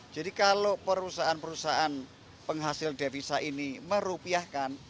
jadi kalau perusahaan perusahaan penghasil devisa ini merupiahkan